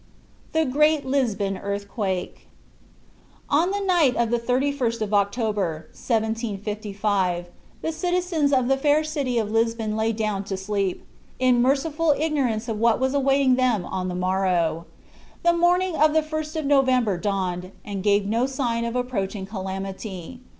THE GREAT LISBON EARTHQUAKE On the night of the 31st of October, 1755, the citizens of the fair city of Lisbon lay down to sleep, in merciful ignorance of what was awaiting them on the morrow. The morning of the 1st of November dawned, and gave no sign of approaching calamity.